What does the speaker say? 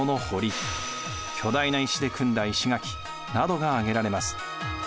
巨大な石で組んだ石垣などが挙げられます。